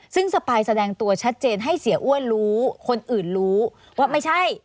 ซึ่งสปายแสดงตัวชัดเจนให้เสียอ้วนรู้คนอื่นรู้ว่าไม่ใช่